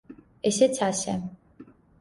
ესეც ასე.